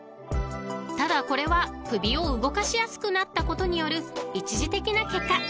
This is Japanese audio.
［ただこれは首を動かしやすくなったことによる一時的な結果］